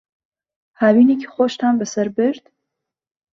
هاوینێکی خۆشتان بەسەر برد؟